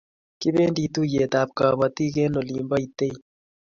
Kibendi tuiyet ab kabotik eng olin po Iten